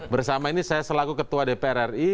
bersama ini saya selaku ketua dpr ri